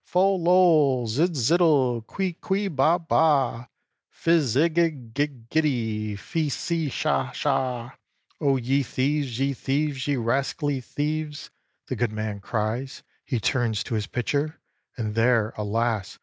Fol, lol; zidziddel quee, quee bah! bah! Fizzigig giggidy! phsee! sha! sha!" "O ye thieves, ye thieves! ye rascally thieves!" The good man cries. He turns to his pitcher, And there, alas!